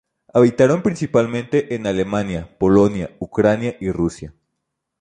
Habitaron principalmente en Alemania, Polonia, Ucrania y Rusia.